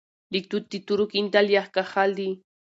لیکدود د تورو کیندل یا کښل دي.